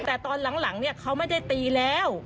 แต่ตอนหลังเนี่ยเขาไม่ได้ตีแล้ว